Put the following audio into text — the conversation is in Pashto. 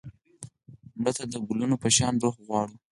مړه ته د ګلونو په شان روح غواړو